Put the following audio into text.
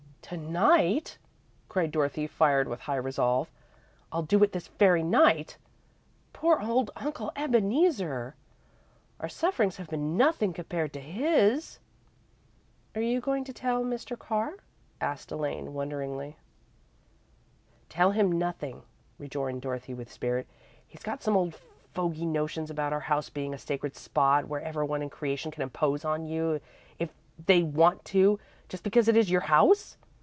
"To night!" cried Dorothy, fired with high resolve. "I'll do it this very night! Poor old Uncle Ebeneezer! Our sufferings have been nothing, compared to his." "Are you going to tell Mr. Carr?" asked Elaine, wonderingly. "Tell him nothing," rejoined Dorothy, with spirit. "He's got some old fogy notions about your house being a sacred spot where everybody in creation can impose on you if they want to, just because it is your house.